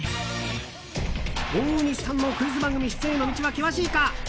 大西さんのクイズ番組出演への道は険しいか。